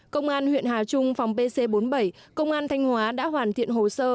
công an huyện hà trung phòng pc bốn mươi bảy công an thanh hóa đã hoàn thiện hồ sơ